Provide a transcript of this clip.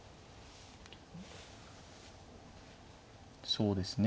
そうですね